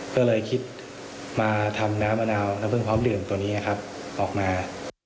ก็เลยคิดมาทำน้ำมะนาวน้ำพึ่งพร้อมดื่มตัวนี้ครับออกมา